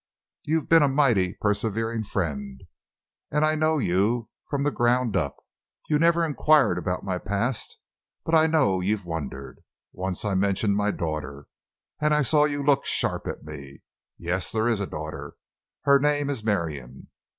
You've been a mighty persevering friend, and I know you from the ground up. You never inquired about my past, but I know you've wondered. Once I mentioned my daughter, and I saw you look sharp at me. Yes, there is a daughter. Her name is Marion.